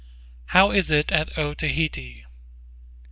J.B.) How is it at Otaheite?